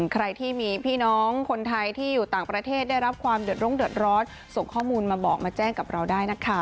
ใครที่มีพี่น้องคนไทยที่อยู่ต่างประเทศได้รับความเดือดร้อนส่งข้อมูลมาบอกมาแจ้งกับเราได้นะคะ